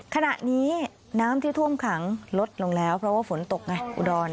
ขณะนี้น้ำที่ท่วมขังลดลงแล้วเพราะว่าฝนตกไงอุดร